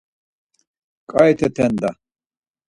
Ǩaite Tenda.